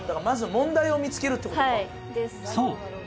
まず問題を見つけるってことかそう